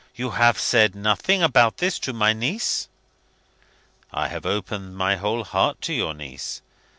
You have said nothing about this to my niece?" "I have opened my whole heart to your niece.